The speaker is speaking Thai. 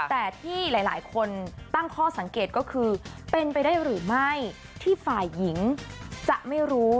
แต่ที่หลายคนตั้งข้อสังเกตก็คือเป็นไปได้หรือไม่ที่ฝ่ายหญิงจะไม่รู้